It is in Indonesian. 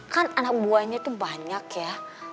kan anak buahnya itu banyak ya